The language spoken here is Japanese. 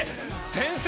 先生！